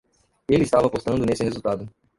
Ele estava apostando nesse resultado.